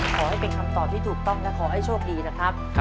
ขอให้เป็นคำตอบที่ถูกต้องและขอให้โชคดีนะครับ